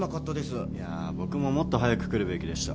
いやぁ僕ももっと早く来るべきでした。